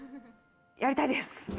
やりたいです！